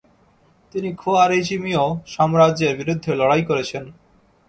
তিনি খোয়ারিজমীয় সাম্রাজ্যের বিরুদ্ধে লড়াই করেছেন।